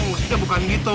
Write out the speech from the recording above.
maksudnya bukan gitu